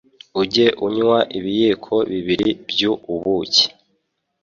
ujye unywa ibiyiko bibiri byu ubuki